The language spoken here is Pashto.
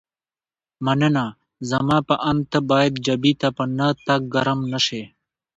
مننه، زما په اند ته باید جبهې ته په نه تګ ګرم نه شې.